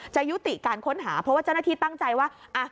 ยุติการค้นหาเพราะว่าเจ้าหน้าที่ตั้งใจว่า